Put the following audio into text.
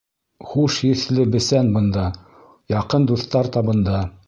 Хуш еҫле бесән бында, яҡын дуҫтар табында!